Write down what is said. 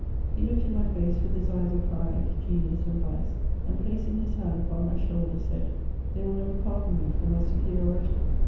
He looked in my face with his eyes of pride, gemus, and vice, and placing his hand upon my shoulder, said, *' They will never pardon me for my superiority.''